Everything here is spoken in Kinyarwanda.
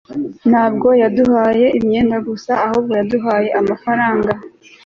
ntabwo yaduhaye imyenda gusa ahubwo yaduhaye amafaranga